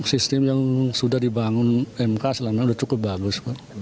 sistem yang sudah dibangun mk selama ini sudah cukup bagus